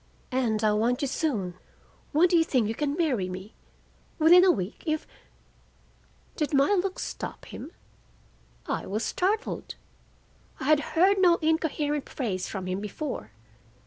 And I want you soon. When do you think you can marry me? Within a week—if—" Did my look stop him? I was startled. I had heard no incoherent phrase from him before.